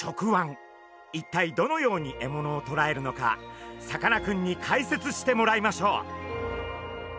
一体どのように獲物をとらえるのかサカナくんに解説してもらいましょう！